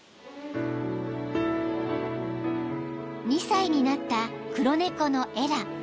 ［２歳になった黒猫のエラ］